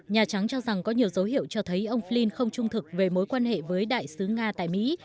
nhà trắng cho rằng có nhiều dấu hiệu cho thấy ông flin không trung thực về mối quan hệ với đại sứ nga tại mỹ